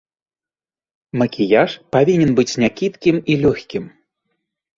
Макіяж павінен быць някідкім і лёгкім.